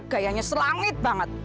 gayanya selangit banget